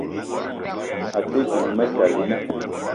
A te ding Metalina